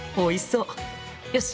よし！